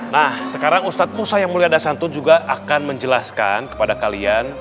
nah sekarang ustadz musa yang mulia dasantun juga akan menjelaskan kepada kalian